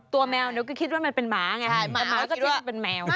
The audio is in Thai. ตัวแมวก็คิดว่ามันเป็นหมาไง